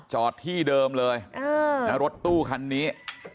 จอดที่เดิมเลยรถตู้คันนี้